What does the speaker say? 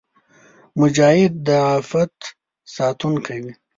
مجاهد د عفت ساتونکی وي.